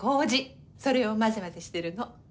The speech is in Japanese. それを混ぜ混ぜしてるの。